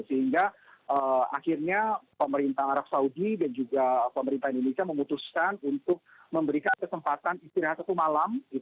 sehingga akhirnya pemerintah arab saudi dan juga pemerintah indonesia memutuskan untuk memberikan kesempatan istirahat satu malam